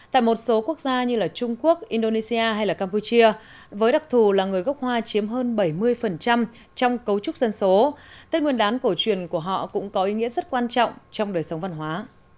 tại một số quốc gia như trung quốc indonesia hay campuchia với đặc thù là người gốc hoa chiếm hơn bảy mươi trong cấu trúc dân số tết nguyên đán cổ truyền của họ cũng có ý nghĩa rất quan trọng trong đời sống văn hóa